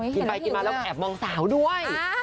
กินไปกินมาแล้วก็แอบมองสาวด้วย